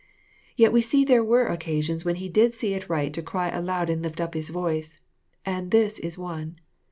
Yet we see there were occasions when He did see it right to cry aloud and lift up His voice, and this Is one.